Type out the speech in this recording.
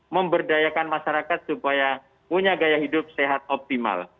memberdayakan masyarakat supaya punya gaya hidup sehat optimal